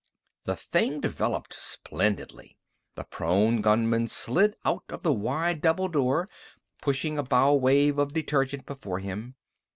The thing developed splendidly. The prone gunman slid out of the wide double door, pushing a bow wave of detergent before him.